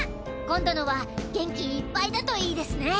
今度のは元気いっぱいだといいですね！